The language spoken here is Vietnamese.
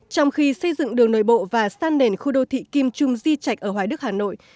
trong khi xây dựng đường nội bộ và san nền khu đô thị kim trung di trạch ở hoài đức hà nội